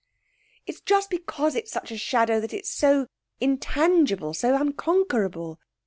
'It's just because it's such a shadow that it's so intangible so unconquerable.